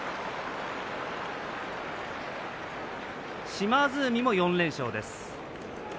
島津海も４連勝です。